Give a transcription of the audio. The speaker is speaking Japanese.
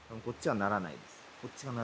こっちはならないです。